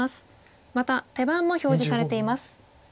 また手番も表示されています。